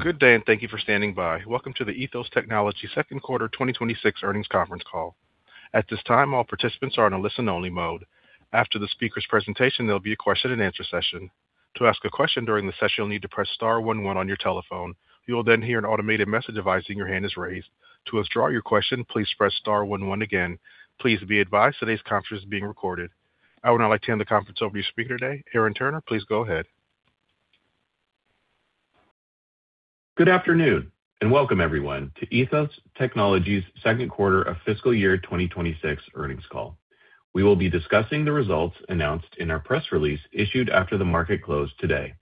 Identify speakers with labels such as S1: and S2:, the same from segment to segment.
S1: Good day, and thank you for standing by. Welcome to the Ethos Technologies second quarter 2026 earnings conference call. At this time, all participants are in a listen only mode. After the speaker's presentation, there will be a question-and-answer session. To ask a question during the session, you will need to press star one one on your telephone. You will then hear an automated message advising your hand is raised. To withdraw your question, please press star one one again. Please be advised today's conference is being recorded. I would now like to hand the conference over to your speaker today, Aaron Turner. Please go ahead.
S2: Good afternoon, and welcome everyone to Ethos Technologies' second quarter of fiscal year 2026 earnings call. We will be discussing the results announced in our press release issued after the market closed today.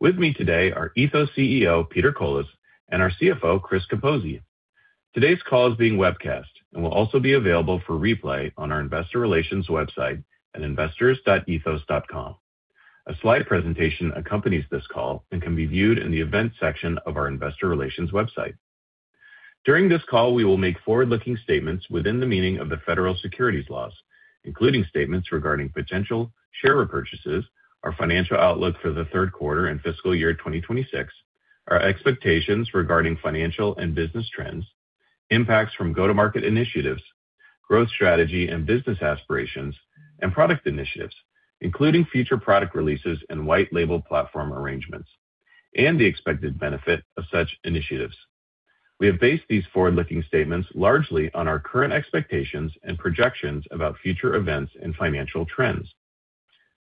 S2: With me today are Ethos CEO Peter Colis and our CFO Chris Capozzi. Today's call is being webcast and will also be available for replay on our investor relations website at investors.ethos.com. A slide presentation accompanies this call and can be viewed in the events section of our investor relations website. During this call, we will make forward-looking statements within the meaning of the Federal Securities Laws, including statements regarding potential share repurchases, our financial outlook for the third quarter and fiscal year 2026, our expectations regarding financial and business trends, impacts from go-to-market initiatives, growth strategy and business aspirations, and product initiatives, including future product releases and white label platform arrangements, and the expected benefit of such initiatives. We have based these forward-looking statements largely on our current expectations and projections about future events and financial trends.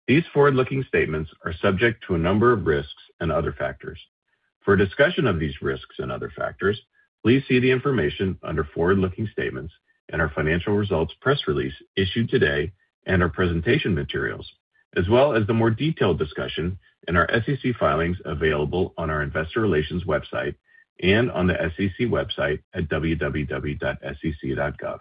S2: These forward-looking statements are subject to a number of risks and other factors. For a discussion of these risks and other factors, please see the information under forward-looking statements and our financial results press release issued today and our presentation materials as well as the more detailed discussion in our SEC filings available on our investor relations website and on the SEC website at www.sec.gov.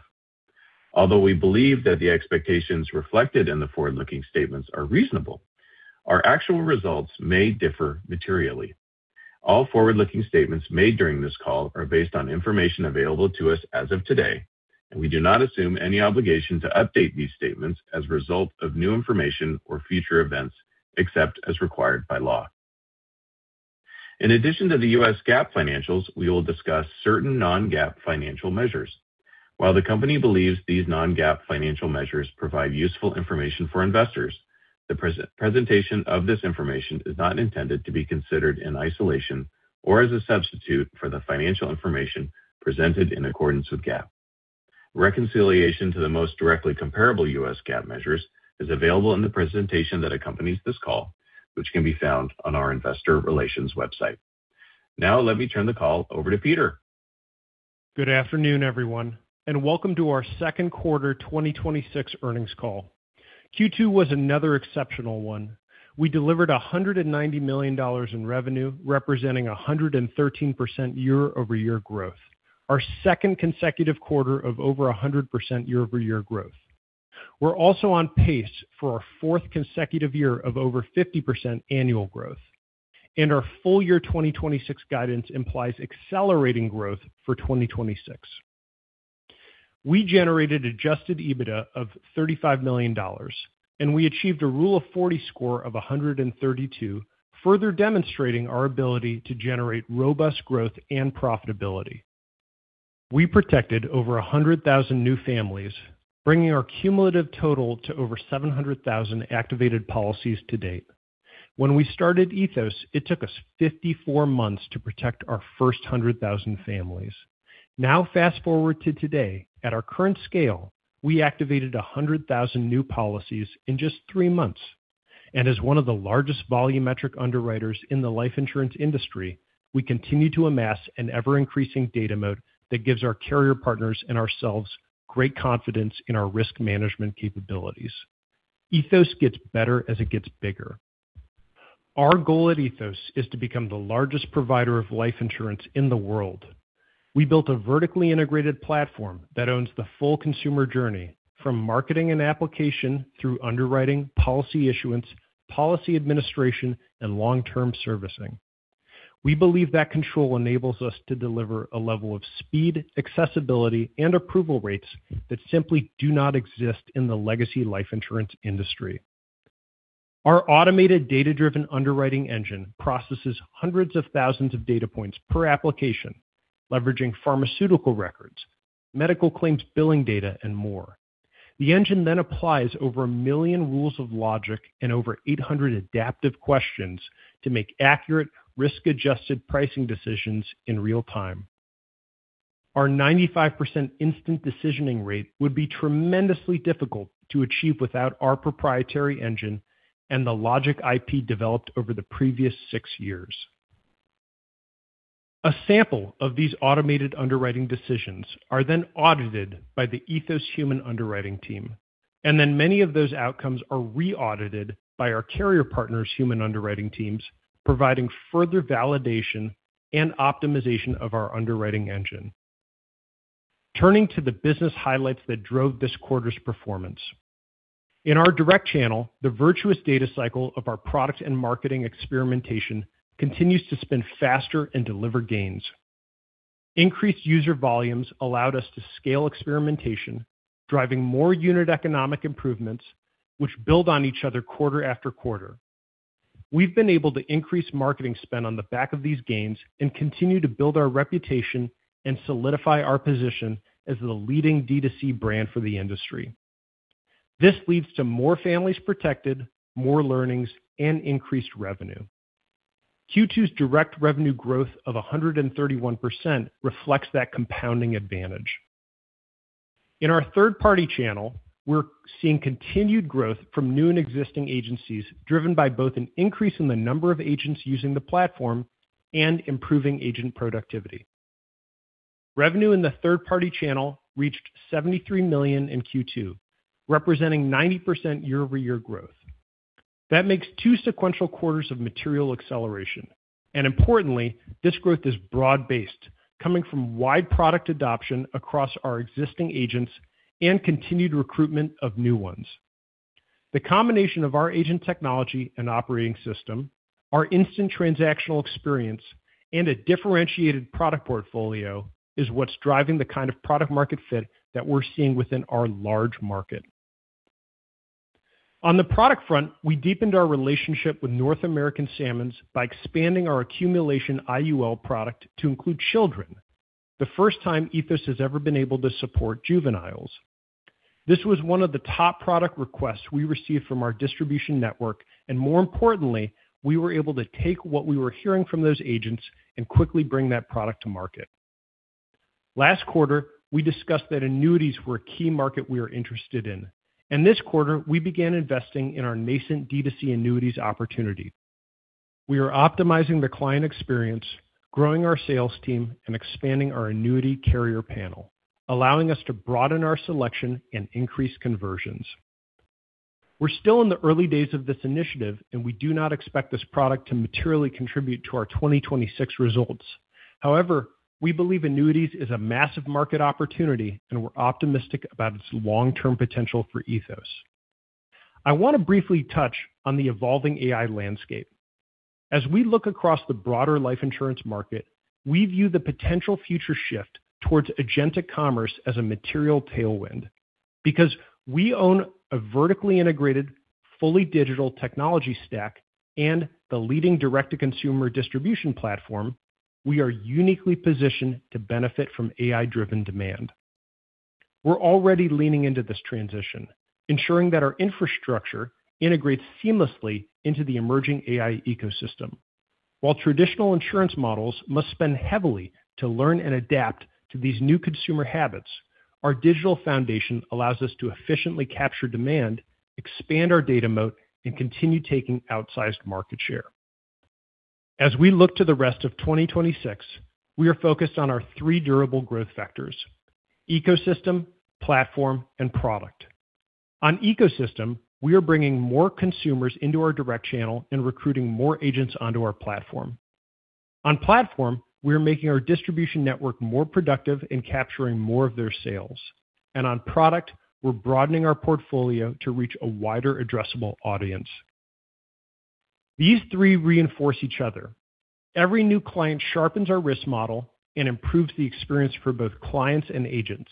S2: Although we believe that the expectations reflected in the forward-looking statements are reasonable, our actual results may differ materially. All forward-looking statements made during this call are based on information available to us as of today. We do not assume any obligation to update these statements as a result of new information or future events except as required by law. In addition to the US GAAP financials, we will discuss certain non-GAAP financial measures. While the company believes these non-GAAP financial measures provide useful information for investors, the presentation of this information is not intended to be considered in isolation or as a substitute for the financial information presented in accordance with GAAP. Reconciliation to the most directly comparable US GAAP measures is available in the presentation that accompanies this call, which can be found on our investor relations website. Let me turn the call over to Peter.
S3: Good afternoon, everyone, and welcome to our second quarter 2026 earnings call. Q2 was another exceptional one. We delivered $190 million in revenue, representing 113% year-over-year growth, our second consecutive quarter of over 100% year-over-year growth. We are also on pace for our fourth consecutive year of over 50% annual growth, and our full year 2026 guidance implies accelerating growth for 2026. We generated Adjusted EBITDA of $35 million, and we achieved a Rule of 40 score of 132, further demonstrating our ability to generate robust growth and profitability. We protected over 100,000 new families, bringing our cumulative total to over 700,000 activated policies to date. When we started Ethos, it took us 54 months to protect our first 100,000 families. Fast-forward to today. At our current scale, we activated 100,000 new policies in just three months. As one of the largest volumetric underwriters in the life insurance industry, we continue to amass an ever-increasing data moat that gives our carrier partners and ourselves great confidence in our risk management capabilities. Ethos gets better as it gets bigger. Our goal at Ethos is to become the largest provider of life insurance in the world. We built a vertically integrated platform that owns the full consumer journey from marketing and application through underwriting, policy issuance, policy administration, and long-term servicing. We believe that control enables us to deliver a level of speed, accessibility, and approval rates that simply do not exist in the legacy life insurance industry. Our automated data-driven underwriting engine processes hundreds of thousands of data points per application, leveraging pharmaceutical records, medical claims billing data, and more. The engine applies over a million rules of logic and over 800 adaptive questions to make accurate risk-adjusted pricing decisions in real time. Our 95% instant decisioning rate would be tremendously difficult to achieve without our proprietary engine and the logic IP developed over the previous six years. A sample of these automated underwriting decisions are then audited by the Ethos human underwriting team, and then many of those outcomes are re-audited by our carrier partners' human underwriting teams, providing further validation and optimization of our underwriting engine. Turning to the business highlights that drove this quarter's performance. In our direct channel, the virtuous data cycle of our product and marketing experimentation continues to spin faster and deliver gains. Increased user volumes allowed us to scale experimentation, driving more unit economic improvements, which build on each other quarter after quarter. We've been able to increase marketing spend on the back of these gains and continue to build our reputation and solidify our position as the leading D2C brand for the industry. This leads to more families protected, more learnings, and increased revenue. Q2's direct revenue growth of 131% reflects that compounding advantage. In our third-party channel, we're seeing continued growth from new and existing agencies, driven by both an increase in the number of agents using the platform and improving agent productivity. Revenue in the third-party channel reached $73 million in Q2, representing 90% year-over-year growth. That makes two sequential quarters of material acceleration. Importantly, this growth is broad-based, coming from wide product adoption across our existing agents and continued recruitment of new ones. The combination of our agent technology and operating system, our instant transactional experience, and a differentiated product portfolio is what's driving the kind of product market fit that we're seeing within our large market. On the product front, we deepened our relationship with North American Sammons by expanding our Accumulation IUL product to include children, the first time Ethos has ever been able to support juveniles. This was one of the top product requests we received from our distribution network. More importantly, we were able to take what we were hearing from those agents and quickly bring that product to market. Last quarter, we discussed that annuities were a key market we are interested in. This quarter, we began investing in our nascent D2C annuities opportunity. We are optimizing the client experience, growing our sales team, and expanding our annuity carrier panel, allowing us to broaden our selection and increase conversions. We're still in the early days of this initiative. We do not expect this product to materially contribute to our 2026 results. However, we believe annuities is a massive market opportunity. We're optimistic about its long-term potential for Ethos. I want to briefly touch on the evolving AI landscape. As we look across the broader life insurance market, we view the potential future shift towards agentic commerce as a material tailwind. Because we own a vertically integrated, fully digital technology stack and the leading direct-to-consumer distribution platform, we are uniquely positioned to benefit from AI-driven demand. We're already leaning into this transition, ensuring that our infrastructure integrates seamlessly into the emerging AI ecosystem. While traditional insurance models must spend heavily to learn and adapt to these new consumer habits, our digital foundation allows us to efficiently capture demand, expand our data moat, and continue taking outsized market share. As we look to the rest of 2026, we are focused on our three durable growth vectors: ecosystem, platform, and product. On ecosystem, we are bringing more consumers into our direct channel and recruiting more agents onto our platform. On platform, we are making our distribution network more productive in capturing more of their sales. On product, we're broadening our portfolio to reach a wider addressable audience. These three reinforce each other. Every new client sharpens our risk model and improves the experience for both clients and agents.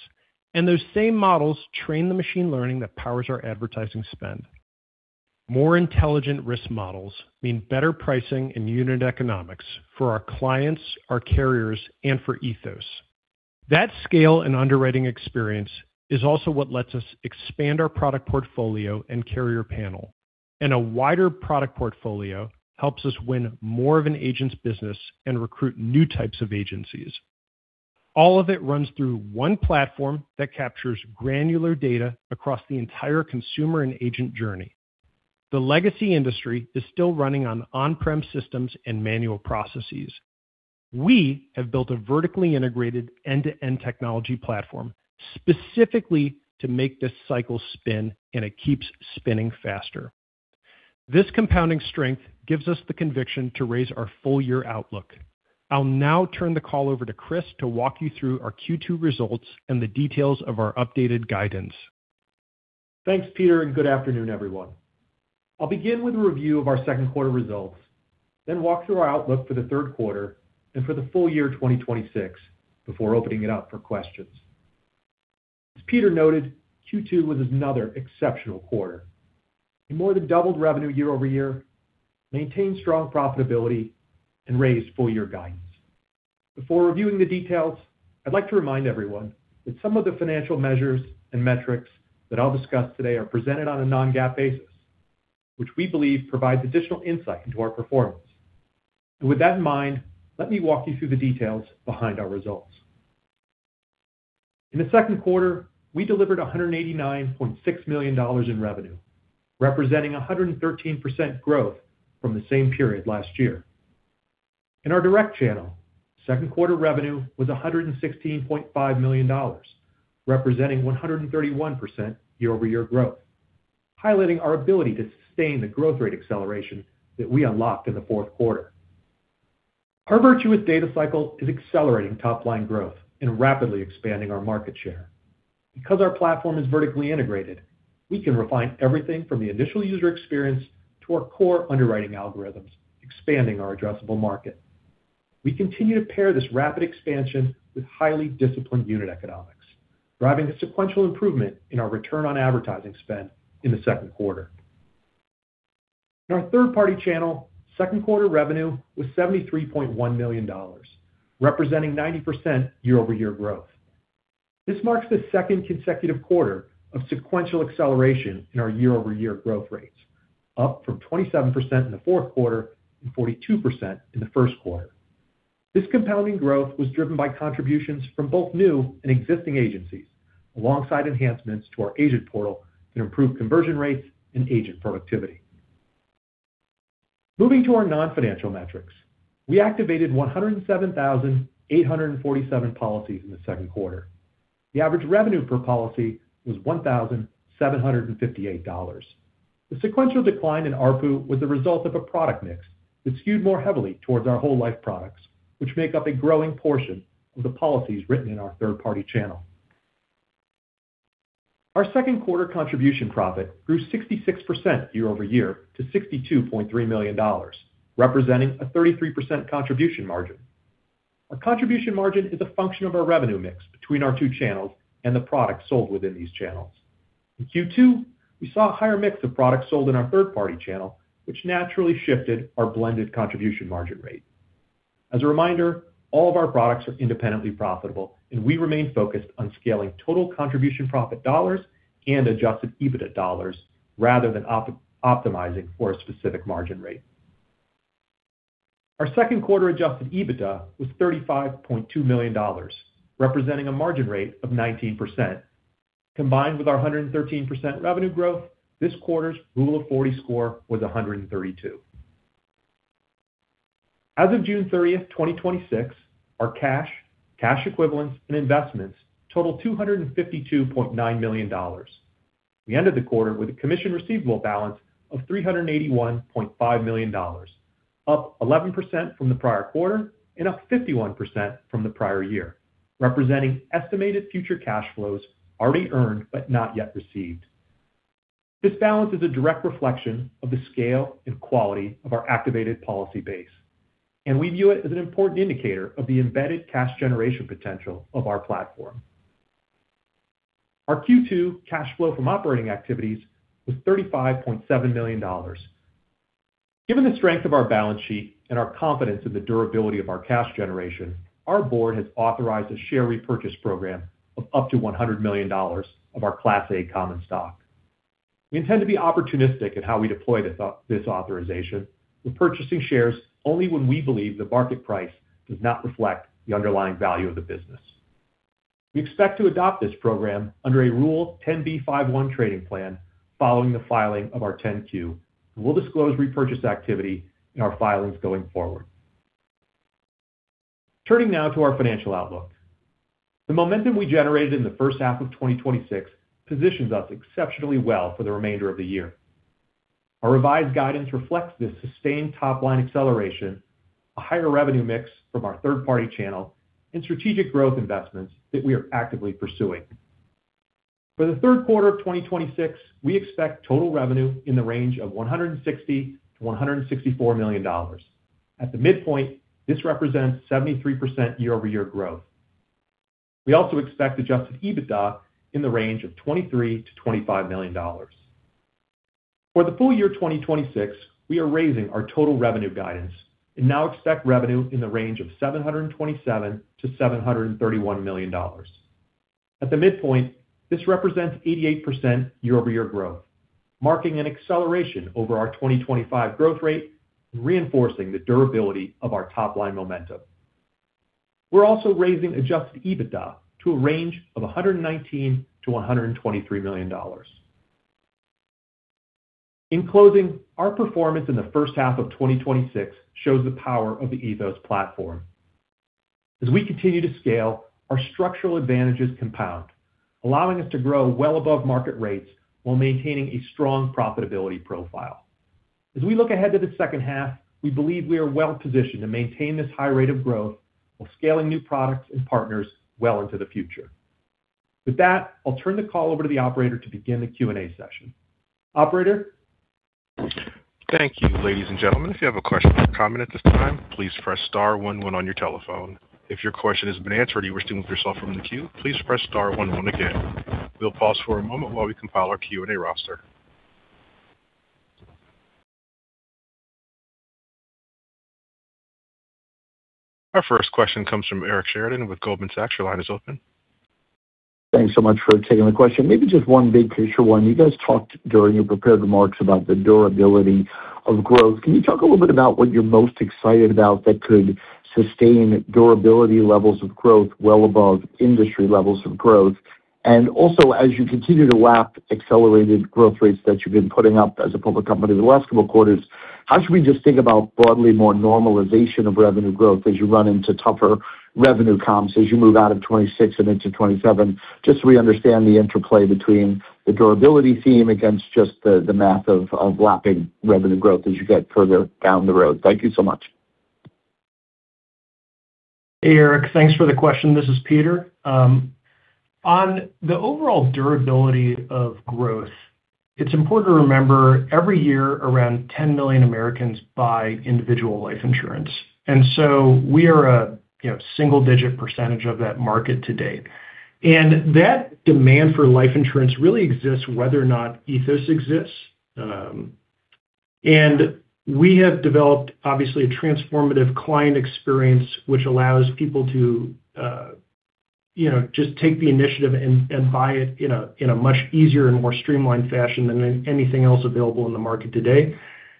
S3: Those same models train the machine learning that powers our advertising spend. More intelligent risk models mean better pricing and unit economics for our clients, our carriers, and for Ethos. That scale and underwriting experience is also what lets us expand our product portfolio and carrier panel. A wider product portfolio helps us win more of an agent's business and recruit new types of agencies. All of it runs through one platform that captures granular data across the entire consumer and agent journey. The legacy industry is still running on on-prem systems and manual processes. We have built a vertically integrated end-to-end technology platform specifically to make this cycle spin, and it keeps spinning faster. This compounding strength gives us the conviction to raise our full year outlook. I'll now turn the call over to Chris to walk you through our Q2 results and the details of our updated guidance.
S4: Thanks, Peter, and good afternoon, everyone. I'll begin with a review of our second quarter results, then walk through our outlook for the third quarter and for the full year 2026 before opening it up for questions. As Peter noted, Q2 was another exceptional quarter. We more than doubled revenue year-over-year, maintained strong profitability, and raised full year guidance. Before reviewing the details, I'd like to remind everyone that some of the financial measures and metrics that I'll discuss today are presented on a non-GAAP basis, which we believe provides additional insight into our performance. With that in mind, let me walk you through the details behind our results. In the second quarter, we delivered $189.6 million in revenue, representing 113% growth from the same period last year. In our direct channel, second quarter revenue was $116.5 million, representing 131% year-over-year growth, highlighting our ability to sustain the growth rate acceleration that we unlocked in the fourth quarter. Our virtuous data cycle is accelerating top-line growth and rapidly expanding our market share. Because our platform is vertically integrated, we can refine everything from the initial user experience to our core underwriting algorithms, expanding our addressable market. We continue to pair this rapid expansion with highly disciplined unit economics, driving a sequential improvement in our return on advertising spend in the second quarter. In our third-party channel, second quarter revenue was $73.1 million, representing 90% year-over-year growth. This marks the second consecutive quarter of sequential acceleration in our year-over-year growth rates, up from 27% in the fourth quarter and 42% in the first quarter. This compounding growth was driven by contributions from both new and existing agencies, alongside enhancements to our agent portal and improved conversion rates and agent productivity. Moving to our non-financial metrics, we activated 107,847 policies in the second quarter. The average revenue per policy was $1,758. The sequential decline in ARPU was the result of a product mix that skewed more heavily towards our whole life products, which make up a growing portion of the policies written in our third-party channel. Our second quarter contribution profit grew 66% year-over-year to $62.3 million, representing a 33% contribution margin. Our contribution margin is a function of our revenue mix between our two channels and the products sold within these channels. In Q2, we saw a higher mix of products sold in our third-party channel, which naturally shifted our blended contribution margin rate. As a reminder, all of our products are independently profitable. We remain focused on scaling total contribution profit dollars and Adjusted EBITDA dollars rather than optimizing for a specific margin rate. Our second quarter Adjusted EBITDA was $35.2 million, representing a margin rate of 19%. Combined with our 113% revenue growth, this quarter's Rule of 40 score was 132. As of June 30th, 2026, our cash equivalents, and investments total $252.9 million. We ended the quarter with a commission receivable balance of $381.5 million, up 11% from the prior quarter and up 51% from the prior year, representing estimated future cash flows already earned but not yet received. This balance is a direct reflection of the scale and quality of our activated policy base. We view it as an important indicator of the embedded cash generation potential of our platform. Our Q2 cash flow from operating activities was $35.7 million. Given the strength of our balance sheet and our confidence in the durability of our cash generation, our board has authorized a share repurchase program of up to $100 million of our Class A common stock. We intend to be opportunistic in how we deploy this authorization. We're purchasing shares only when we believe the market price does not reflect the underlying value of the business. We expect to adopt this program under a Rule 10b5-1 trading plan following the filing of our 10-Q. We'll disclose repurchase activity in our filings going forward. Turning now to our financial outlook. The momentum we generated in the first half of 2026 positions us exceptionally well for the remainder of the year. Our revised guidance reflects this sustained top-line acceleration, a higher revenue mix from our third-party channel, and strategic growth investments that we are actively pursuing. For the third quarter of 2026, we expect total revenue in the range of $160 million-$164 million. At the midpoint, this represents 73% year-over-year growth. We also expect Adjusted EBITDA in the range of $23 million-$25 million. For the full year 2026, we are raising our total revenue guidance and now expect revenue in the range of $727 million-$731 million. At the midpoint, this represents 88% year-over-year growth, marking an acceleration over our 2025 growth rate and reinforcing the durability of our top-line momentum. We're also raising Adjusted EBITDA to a range of $119 million-$123 million. In closing, our performance in the first half of 2026 shows the power of the Ethos platform. As we continue to scale, our structural advantages compound, allowing us to grow well above market rates while maintaining a strong profitability profile. As we look ahead to the second half, we believe we are well positioned to maintain this high rate of growth while scaling new products and partners well into the future. With that, I'll turn the call over to the operator to begin the Q&A session. Operator?
S1: Thank you, ladies and gentlemen. If you have a question or comment at this time, please press star one one on your telephone. If your question has been answered and you wish to remove yourself from the queue, please press star one one again. We'll pause for a moment while we compile our Q&A roster. Our first question comes from Eric Sheridan with Goldman Sachs. Your line is open.
S5: Thanks so much for taking the question. Maybe just one big picture one. You guys talked during your prepared remarks about the durability of growth. Can you talk a little bit about what you're most excited about that could sustain durability levels of growth well above industry levels of growth? Also, as you continue to lap accelerated growth rates that you've been putting up as a public company the last couple of quarters, how should we just think about broadly more normalization of revenue growth as you run into tougher revenue comps as you move out of 2026 and into 2027, just so we understand the interplay between the durability theme against just the math of lapping revenue growth as you get further down the road. Thank you so much.
S3: Hey, Eric, thanks for the question. This is Peter. On the overall durability of growth, it's important to remember every year around 10 million Americans buy individual life insurance. So we are a single-digit percentage of that market to date. That demand for life insurance really exists whether or not Ethos exists. We have developed, obviously, a transformative client experience, which allows people to just take the initiative and buy it in a much easier and more streamlined fashion than anything else available in the market today.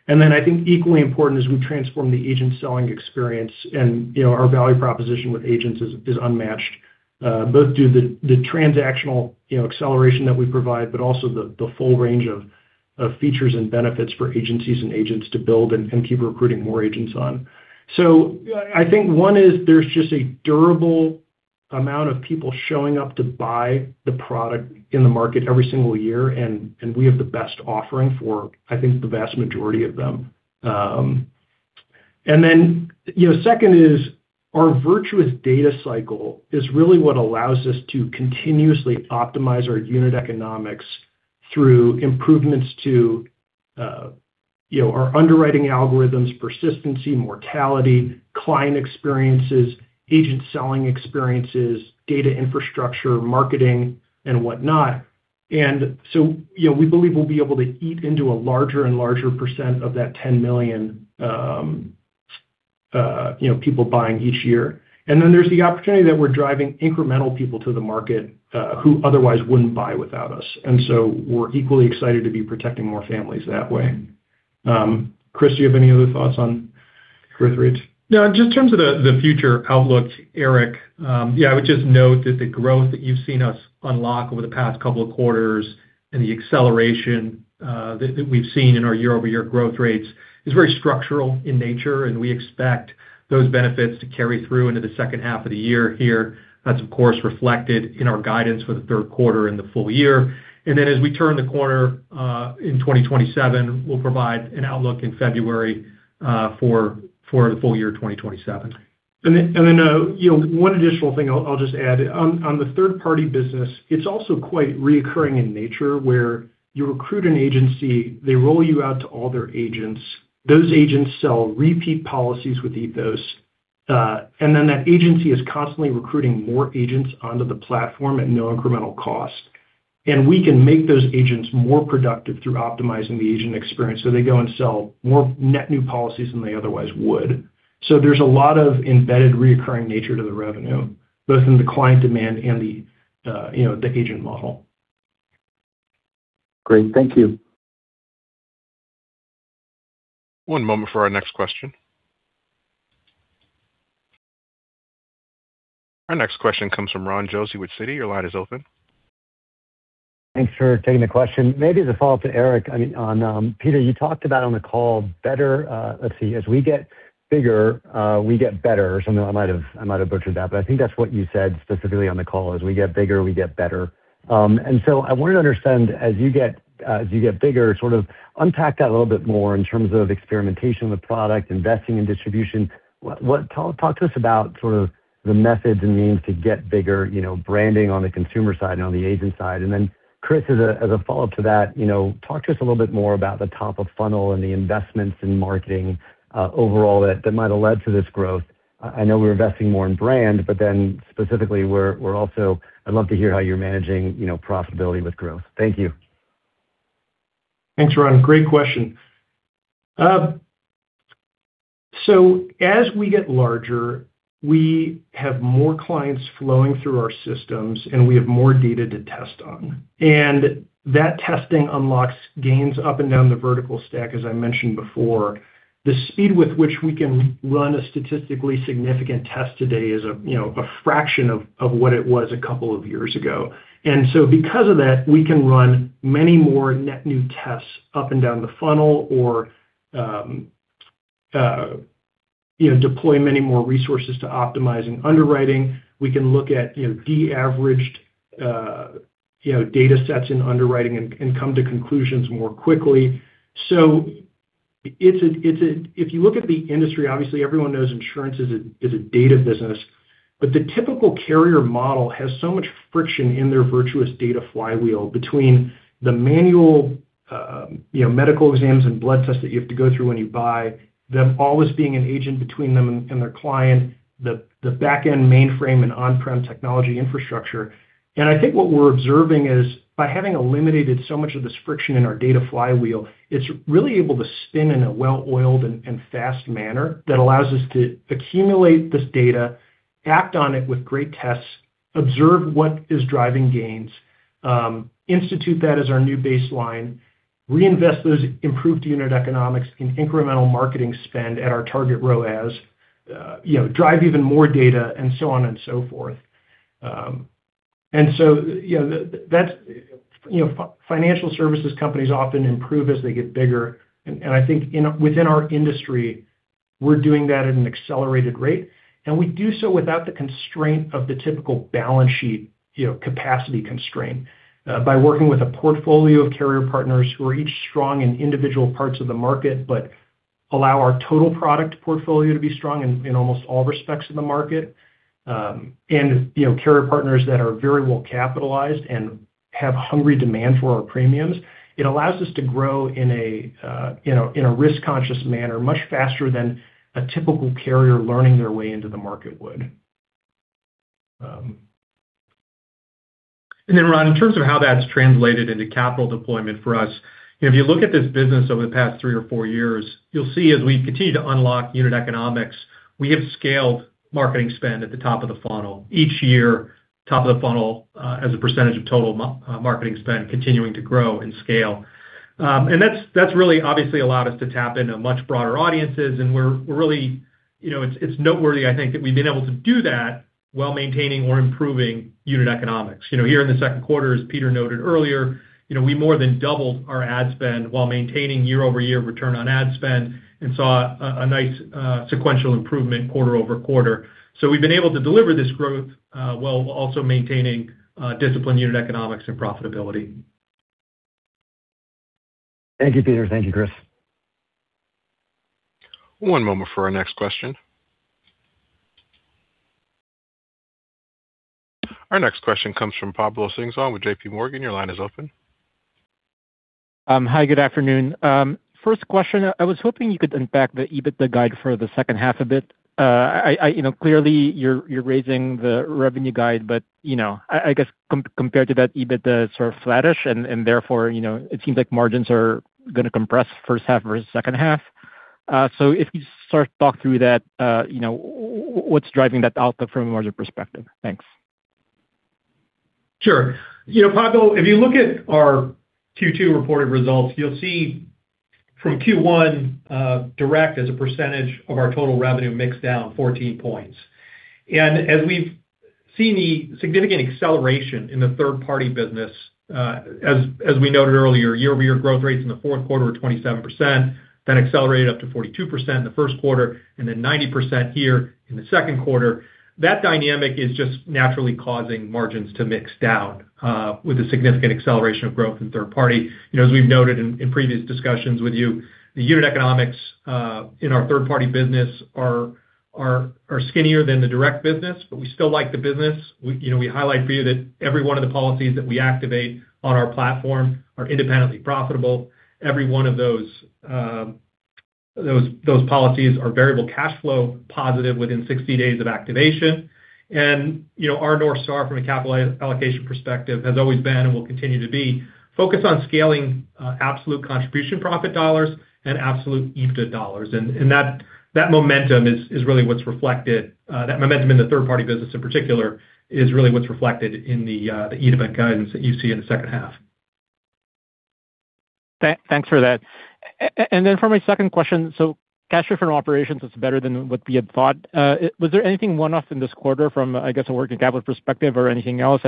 S3: Then I think equally important is we transform the agent selling experience and our value proposition with agents is unmatched, both due to the transactional acceleration that we provide, but also the full range of features and benefits for agencies and agents to build and keep recruiting more agents on. I think one is there's just a durable amount of people showing up to buy the product in the market every single year, and we have the best offering for, I think, the vast majority of them. Then, second is our virtuous data cycle is really what allows us to continuously optimize our unit economics through improvements to our underwriting algorithms, persistency, mortality, client experiences, agent selling experiences, data infrastructure, marketing and whatnot. So we believe we'll be able to eat into a larger and larger percent of that 10 million people buying each year. Then there's the opportunity that we're driving incremental people to the market who otherwise wouldn't buy without us. So we're equally excited to be protecting more families that way. Chris, do you have any other thoughts on growth rates?
S4: Just in terms of the future outlook, Eric, I would just note that the growth that you've seen us unlock over the past couple of quarters and the acceleration that we've seen in our year-over-year growth rates is very structural in nature, and we expect those benefits to carry through into the second half of the year here. That's, of course, reflected in our guidance for the third quarter and the full year. As we turn the corner in 2027, we'll provide an outlook in February for the full year 2027.
S3: One additional thing I'll just add. On the third-party business, it's also quite reoccurring in nature, where you recruit an agency, they roll you out to all their agents. Those agents sell repeat policies with Ethos. That agency is constantly recruiting more agents onto the platform at no incremental cost. We can make those agents more productive through optimizing the agent experience, so they go and sell more net new policies than they otherwise would. There's a lot of embedded reoccurring nature to the revenue, both in the client demand and the agent model.
S5: Great. Thank you.
S1: One moment for our next question. Our next question comes from Ron Josey with Citi. Your line is open.
S6: Thanks for taking the question. Maybe as a follow-up to Eric. Peter, you talked about on the call better. Let's see, as we get bigger, we get better or something. I might have butchered that, but I think that's what you said specifically on the call. As we get bigger, we get better. I wanted to understand, as you get bigger, sort of unpack that a little bit more in terms of experimentation with product, investing in distribution. Talk to us about sort of the methods and means to get bigger, branding on the consumer side and on the agent side. Chris, as a follow-up to that, talk to us a little bit more about the top of funnel and the investments in marketing overall that might have led to this growth. I know we're investing more in brand. Specifically, we're also. I'd love to hear how you're managing profitability with growth. Thank you.
S3: Thanks, Ron. Great question. As we get larger, we have more clients flowing through our systems, and we have more data to test on, and that testing unlocks gains up and down the vertical stack, as I mentioned before. The speed with which we can run a statistically significant test today is a fraction of what it was a couple of years ago. Because of that, we can run many more net new tests up and down the funnel or deploy many more resources to optimizing underwriting. We can look at de-averaged data sets in underwriting and come to conclusions more quickly. If you look at the industry, obviously everyone knows insurance is a data business. The typical carrier model has so much friction in their virtuous data flywheel between the manual medical exams and blood tests that you have to go through when you buy, them always being an agent between them and their client, the back end mainframe and on-prem technology infrastructure. I think what we're observing is by having eliminated so much of this friction in our data flywheel, it's really able to spin in a well-oiled and fast manner that allows us to accumulate this data, act on it with great tests, observe what is driving gains, institute that as our new baseline, reinvest those improved unit economics in incremental marketing spend at our target ROAS, drive even more data and so on and so forth. Financial services companies often improve as they get bigger, and I think within our industry, we're doing that at an accelerated rate, and we do so without the constraint of the typical balance sheet capacity constraint. By working with a portfolio of carrier partners who are each strong in individual parts of the market but Allow our total product portfolio to be strong in almost all respects in the market. Carrier partners that are very well capitalized and have hungry demand for our premiums. It allows us to grow in a risk-conscious manner, much faster than a typical carrier learning their way into the market would.
S4: Then, Ron, in terms of how that's translated into capital deployment for us, if you look at this business over the past three or four years, you'll see as we continue to unlock unit economics, we have scaled marketing spend at the top of the funnel. Each year, top of the funnel, as a percentage of total marketing spend, continuing to grow and scale. That's really obviously allowed us to tap into much broader audiences, and it's noteworthy, I think, that we've been able to do that while maintaining or improving unit economics. Here in the second quarter, as Peter noted earlier, we more than doubled our ad spend while maintaining year-over-year return on ad spend and saw a nice sequential improvement quarter-over-quarter. We've been able to deliver this growth while also maintaining disciplined unit economics and profitability.
S6: Thank you, Peter. Thank you, Chris.
S1: One moment for our next question. Our next question comes from Pablo Zúñiga with JPMorgan. Your line is open.
S7: Hi, good afternoon. First question, I was hoping you could unpack the EBITDA guide for the second half a bit. Clearly, you're raising the revenue guide, I guess compared to that EBITDA it's sort of flattish and therefore, it seems like margins are going to compress first half versus second half. If you sort of talk through that, what's driving that outlook from a margin perspective? Thanks.
S4: Sure. Pablo, if you look at our Q2 reported results, you'll see from Q1 direct as a percentage of our total revenue mix down 14 points. As we've seen the significant acceleration in the third-party business, as we noted earlier, year-over-year growth rates in the fourth quarter were 27%, then accelerated up to 42% in the first quarter, and then 90% here in the second quarter. That dynamic is just naturally causing margins to mix down with a significant acceleration of growth in third party. As we've noted in previous discussions with you, the unit economics in our third party business are skinnier than the direct business, but we still like the business. We highlight for you that every one of the policies that we activate on our platform are independently profitable. Every one of those policies are variable cash flow positive within 60 days of activation. Our North Star from a capital allocation perspective has always been and will continue to be focused on scaling absolute contribution profit dollars and absolute EBITDA dollars. That momentum in the third party business in particular, is really what's reflected in the EBITDA guidance that you see in the second half.
S7: Thanks for that. For my second question, cash flow from operations is better than what we had thought. Was there anything one-off in this quarter from, I guess, a working capital perspective or anything else?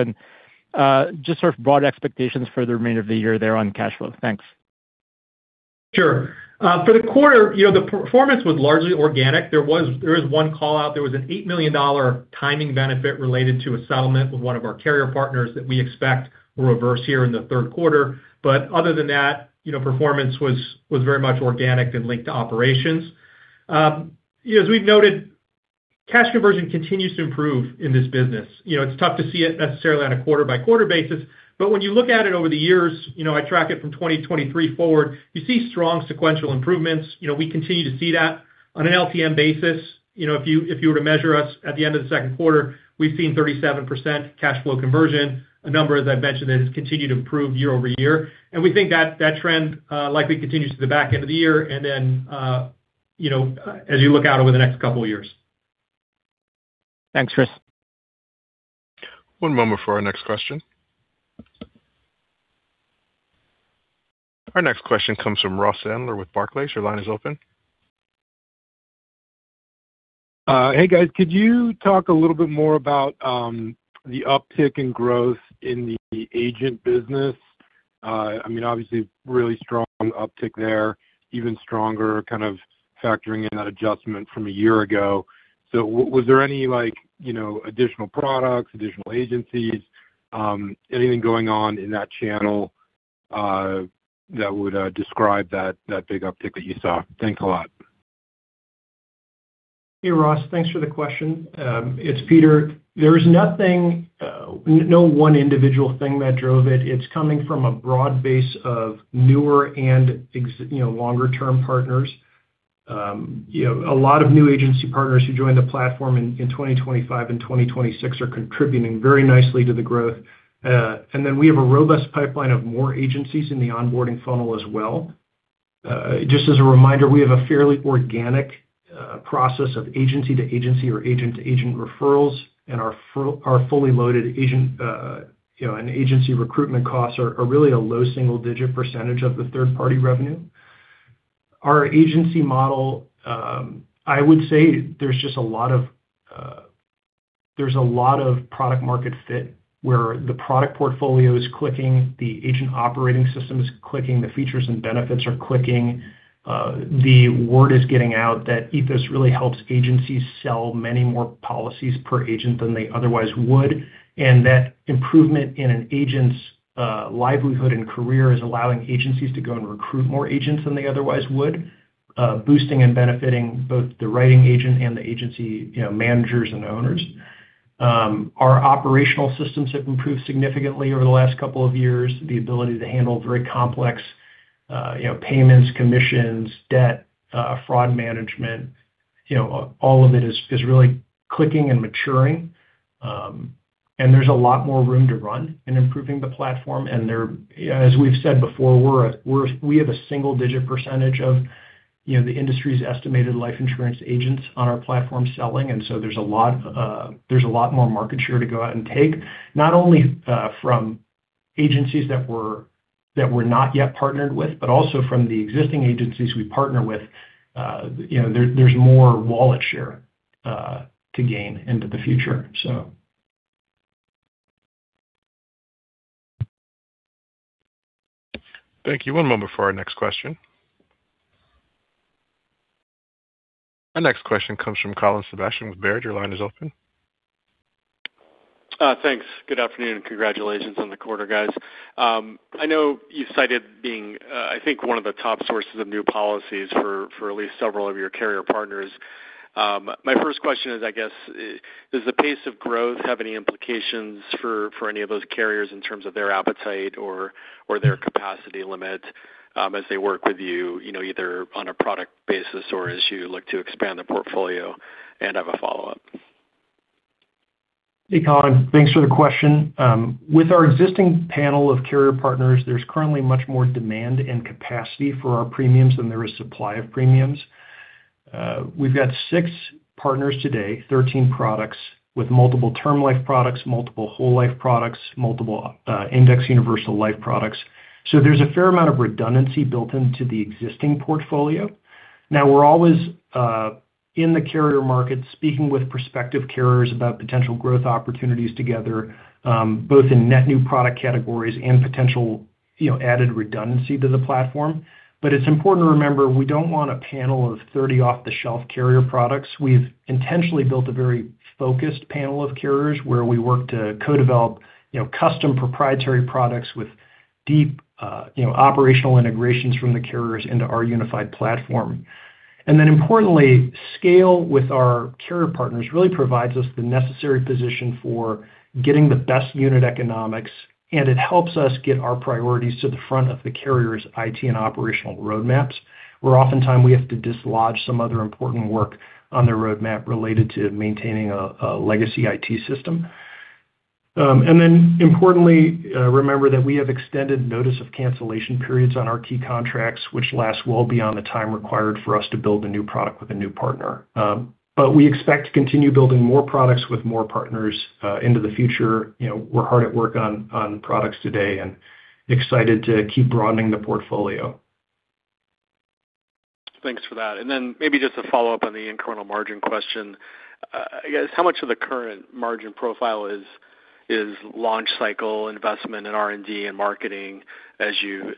S7: Just sort of broad expectations for the remainder of the year there on cash flow. Thanks.
S4: Sure. For the quarter, the performance was largely organic. There is one call-out. There was an $8 million timing benefit related to a settlement with one of our carrier partners that we expect will reverse here in the third quarter. Other than that, performance was very much organic and linked to operations. As we've noted, cash conversion continues to improve in this business. It's tough to see it necessarily on a quarter-by-quarter basis, but when you look at it over the years, I track it from 2023 forward, you see strong sequential improvements. We continue to see that on an LTM basis. If you were to measure us at the end of the second quarter, we've seen 37% cash flow conversion, a number, as I've mentioned, that has continued to improve year-over-year. We think that trend likely continues to the back end of the year, as you look out over the next couple of years.
S7: Thanks, Chris.
S1: One moment for our next question. Our next question comes from Ross Sandler with Barclays. Your line is open.
S8: Hey, guys. Could you talk a little bit more about the uptick in growth in the agent business? Obviously, really strong uptick there, even stronger kind of factoring in that adjustment from a year ago. Was there any additional products, additional agencies, anything going on in that channel that would describe that big uptick that you saw? Thanks a lot.
S3: Hey, Ross. Thanks for the question. It's Peter. There is no one individual thing that drove it. It's coming from a broad base of newer and longer-term partners. A lot of new agency partners who joined the platform in 2025 and 2026 are contributing very nicely to the growth. Then we have a robust pipeline of more agencies in the onboarding funnel as well. Just as a reminder, we have a fairly organic process of agency-to-agency or agent-to-agent referrals, and our fully loaded agent and agency recruitment costs are really a low single-digit percentage of the third-party revenue. Our agency model, I would say there's a lot of product market fit where the product portfolio is clicking, the agent operating system is clicking, the features and benefits are clicking. The word is getting out that Ethos really helps agencies sell many more policies per agent than they otherwise would, and that improvement in an agent's livelihood and career is allowing agencies to go and recruit more agents than they otherwise would. Boosting and benefiting both the writing agent and the agency managers and owners. Our operational systems have improved significantly over the last couple of years. The ability to handle very complex payments, commissions, debt, fraud management, all of it is really clicking and maturing. There's a lot more room to run in improving the platform. As we've said before, we have a single-digit percentage of the industry's estimated life insurance agents on our platform selling. There's a lot more market share to go out and take, not only from agencies that we're not yet partnered with, but also from the existing agencies we partner with. There's more wallet share to gain into the future.
S1: Thank you. One moment for our next question. Our next question comes from Colin Sebastian with Baird. Your line is open.
S9: Thanks. Good afternoon and congratulations on the quarter, guys. I know you cited being, I think, one of the top sources of new policies for at least several of your carrier partners. My first question is, I guess, does the pace of growth have any implications for any of those carriers in terms of their appetite or their capacity limit as they work with you, either on a product basis or as you look to expand the portfolio? I have a follow-up.
S3: Hey, Colin, thanks for the question. With our existing panel of carrier partners, there's currently much more demand and capacity for our premiums than there is supply of premiums. We've got six partners today, 13 products with multiple term life products, multiple whole life products, multiple index universal life products. There's a fair amount of redundancy built into the existing portfolio. Now we're always in the carrier market speaking with prospective carriers about potential growth opportunities together, both in net new product categories and potential added redundancy to the platform. It's important to remember we don't want a panel of 30 off-the-shelf carrier products. We've intentionally built a very focused panel of carriers where we work to co-develop custom proprietary products with deep operational integrations from the carriers into our unified platform. Importantly, scale with our carrier partners really provides us the necessary position for getting the best unit economics, and it helps us get our priorities to the front of the carrier's IT and operational roadmaps, where oftentimes we have to dislodge some other important work on their roadmap related to maintaining a legacy IT system. Importantly, remember that we have extended notice of cancellation periods on our key contracts, which last well beyond the time required for us to build a new product with a new partner. We expect to continue building more products with more partners into the future. We're hard at work on products today and excited to keep broadening the portfolio.
S9: Thanks for that. Maybe just a follow-up on the incremental margin question. I guess how much of the current margin profile is launch cycle investment in R&D and marketing as you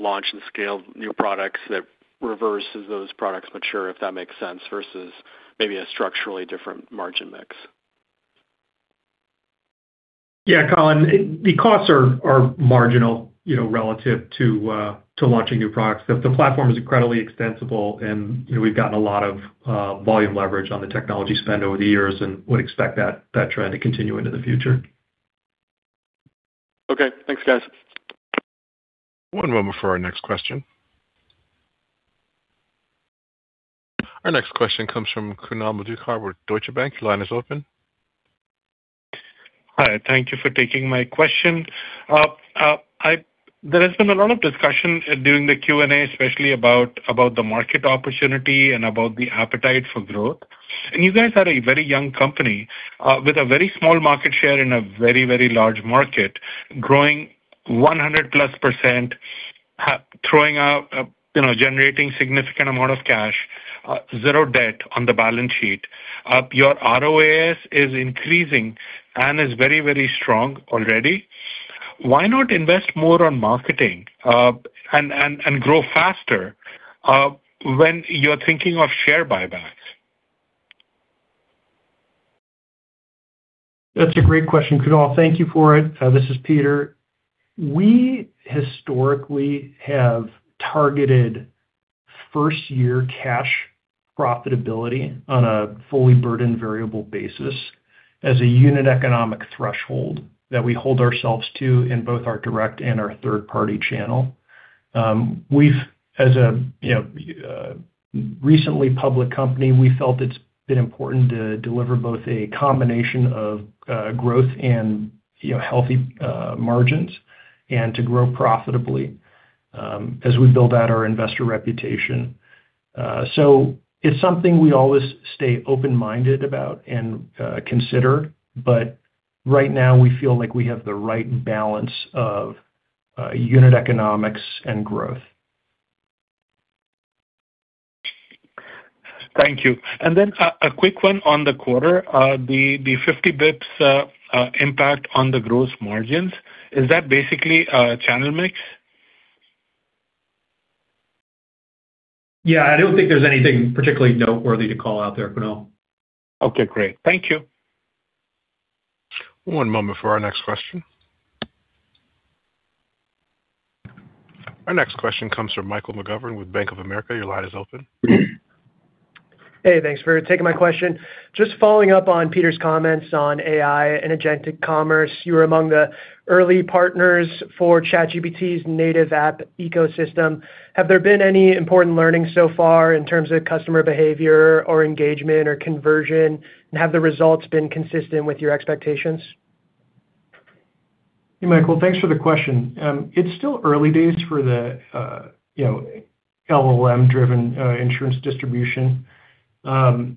S9: launch and scale new products that reverse as those products mature, if that makes sense, versus maybe a structurally different margin mix?
S4: Yeah, Colin, the costs are marginal relative to launching new products. The platform is incredibly extensible, and we've gotten a lot of volume leverage on the technology spend over the years and would expect that trend to continue into the future.
S9: Okay, thanks guys.
S1: One moment for our next question. Our next question comes from Kunal Madhukar with Deutsche Bank. Your line is open.
S10: Hi, thank you for taking my question. There has been a lot of discussion during the Q&A, especially about the market opportunity and about the appetite for growth. You guys are a very young company with a very small market share in a very large market, growing 100+% generating significant amount of cash, zero debt on the balance sheet. Your ROAS is increasing and is very strong already. Why not invest more on marketing and grow faster when you're thinking of share buybacks?
S3: That's a great question, Kunal. Thank you for it. This is Peter. We historically have targeted first-year cash profitability on a fully burdened variable basis as a unit economic threshold that we hold ourselves to in both our direct and our third-party channel. As a recently public company, we felt it's been important to deliver both a combination of growth and healthy margins and to grow profitably as we build out our investor reputation. It's something we always stay open-minded about and consider, but right now we feel like we have the right balance of unit economics and growth.
S10: Thank you. Then a quick one on the quarter, the 50 basis points impact on the gross margins, is that basically a channel mix?
S3: Yeah, I don't think there's anything particularly noteworthy to call out there, Kunal.
S10: Okay, great. Thank you.
S1: One moment for our next question. Our next question comes from Michael McGovern with Bank of America. Your line is open.
S11: Hey, thanks for taking my question. Just following up on Peter's comments on AI and agentic commerce. You were among the early partners for ChatGPT's native app ecosystem. Have there been any important learnings so far in terms of customer behavior or engagement or conversion? Have the results been consistent with your expectations?
S3: Hey, Michael. Thanks for the question. It's still early days for the LLM-driven insurance distribution. I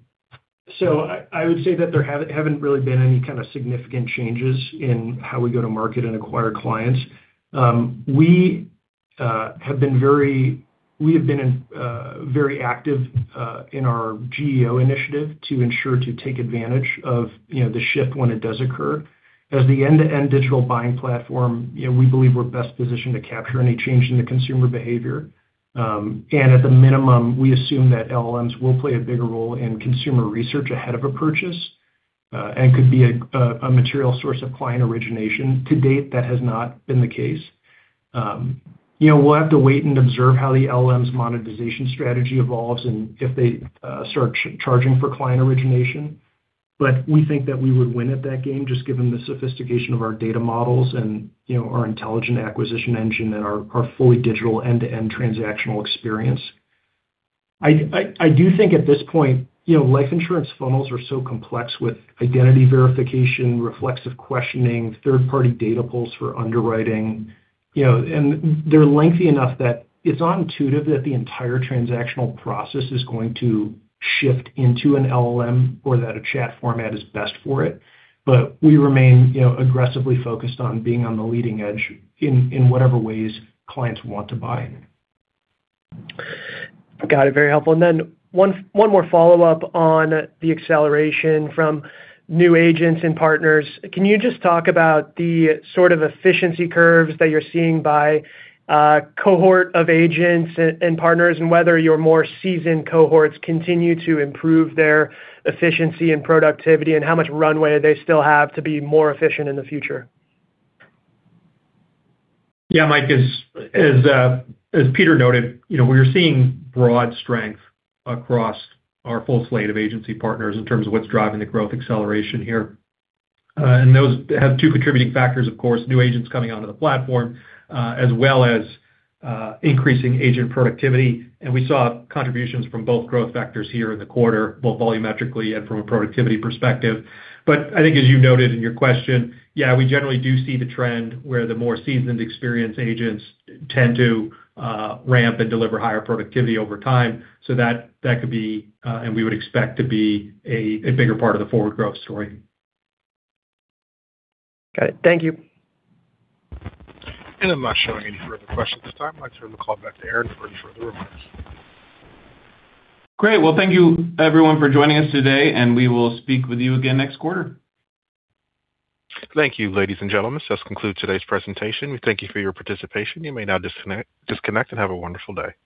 S3: would say that there haven't really been any kind of significant changes in how we go to market and acquire clients. We have been very active in our GEO initiative to ensure to take advantage of the shift when it does occur. As the end-to-end digital buying platform, we believe we're best positioned to capture any change in the consumer behavior. At the minimum, we assume that LLMs will play a bigger role in consumer research ahead of a purchase, and could be a material source of client origination. To date, that has not been the case. We'll have to wait and observe how the LLM's monetization strategy evolves and if they start charging for client origination. We think that we would win at that game, just given the sophistication of our data models and our intelligent acquisition engine and our fully digital end-to-end transactional experience. I do think at this point, life insurance funnels are so complex with identity verification, reflexive questioning, third-party data pulls for underwriting. They're lengthy enough that it's not intuitive that the entire transactional process is going to shift into an LLM or that a chat format is best for it. We remain aggressively focused on being on the leading edge in whatever ways clients want to buy.
S11: Got it. Very helpful. One more follow-up on the acceleration from new agents and partners. Can you just talk about the sort of efficiency curves that you're seeing by cohort of agents and partners, and whether your more seasoned cohorts continue to improve their efficiency and productivity? How much runway they still have to be more efficient in the future?
S4: Yeah, Mike, as Peter noted, we're seeing broad strength across our full slate of agency partners in terms of what's driving the growth acceleration here. Those have two contributing factors, of course, new agents coming onto the platform, as well as increasing agent productivity. We saw contributions from both growth vectors here in the quarter, both volumetrically and from a productivity perspective. I think as you noted in your question, yeah, we generally do see the trend where the more seasoned, experienced agents tend to ramp and deliver higher productivity over time. That could be, and we would expect to be, a bigger part of the forward growth story.
S11: Got it. Thank you.
S1: I'm not showing any further questions at this time. I'd like to turn the call back to Aaron for any further remarks.
S2: Well, thank you everyone for joining us today, and we will speak with you again next quarter.
S1: Thank you, ladies and gentlemen. This does conclude today's presentation. We thank you for your participation. You may now disconnect, and have a wonderful day.